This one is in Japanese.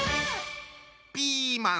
ピーマン。